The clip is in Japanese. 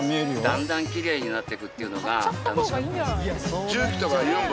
だんだんきれいになっていくっていうのが楽しかったです。